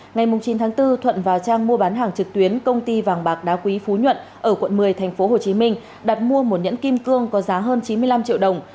ngày chín tháng bốn thuận vào trang mua bán hàng trực tuyến công ty vàng bạc đá quý phú nhuận ở quận một mươi tp hcm đặt mua một nhẫn kim cương có giá hơn chín mươi năm triệu đồng